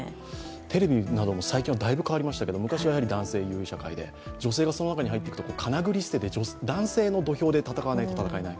テレビなども最近はだいぶ変わりましたけれども、昔はやはり男性優位社会で、女性がその中に入ると、かなぐり捨てて男性の土俵で戦えないと戦えない。